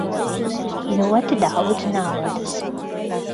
Ļoti daudz naudas.